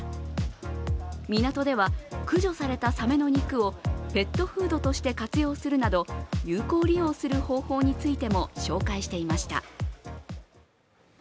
港では駆除されたサメの肉をペットフードとして活用するなど有効利用する方法についても紹介していました。